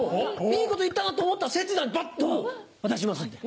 いいこと言ったなと思った刹那バッと渡しますんで。